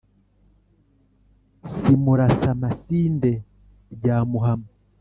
Si muraza masinde ryamuhama,